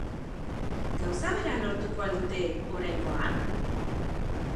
Gauza bera lortuko al dute oraingoan?